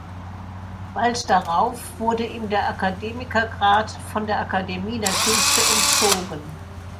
Bald darauf wurde ihm der Akademiker-Grad von der Akademie der Künste entzogen.